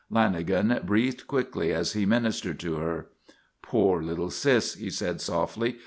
Lanagan breathed quickly as he ministered to her. "Poor little sis!" he said, softly.